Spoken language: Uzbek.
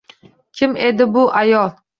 Kim edi bu ayol?